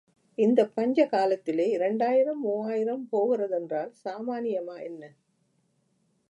இந்தப் பஞ்சகாலத்திலே இரண்டாயிரம் மூவாயிரம் போகிறதென்றால் சாமானியமா என்ன?